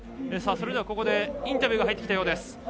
ここでインタビューが入ってきたようです。